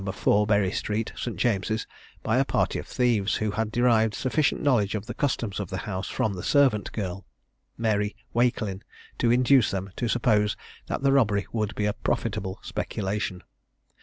4, Bury Street, St. James's, by a party of thieves, who had derived sufficient knowledge of the customs of the house from the servant girl, Mary Wakelin, to induce them to suppose that the robbery would be a profitable speculation.